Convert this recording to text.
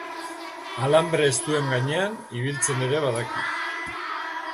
Alanbre estuen gainean ibiltzen ere badaki.